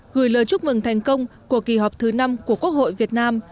gửi lời chúc mừng thành công của kỳ họp thứ năm của quốc hội việt nam